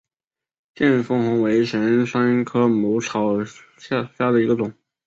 见风红为玄参科母草属下的一个种。